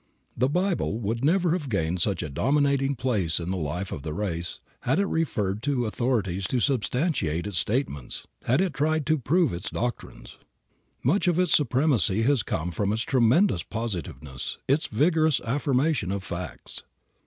The Bible would never have gained such a dominating place in the life of the race had it referred to authorities to substantiate its statements; had it tried to prove its doctrines. Much of its supremacy has come from its tremendous positiveness, its vigorous affirmation of facts.